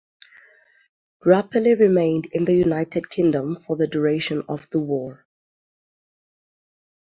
Grappelli remained in the United Kingdom for the duration of the war.